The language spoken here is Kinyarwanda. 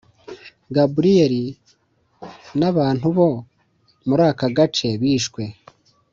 Gabriel na Abantu bo muri aka gace bishwe.